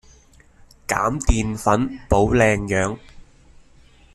減澱粉保靚樣